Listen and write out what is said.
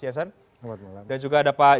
yesen dan juga ada pak